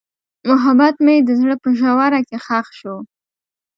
محبت مې د زړه په ژوره کې ښخ شو.